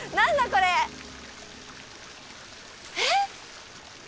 これえっ？